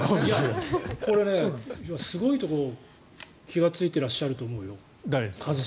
これね、すごいところ気がついてらっしゃると思うよ。